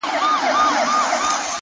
پوهه د فکر رڼا ډېروي,